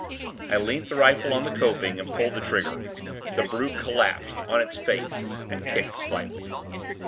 I leant the rifle on the coping, and pulled the trigger. The brute collapsed, on its face, and kicked, slightly.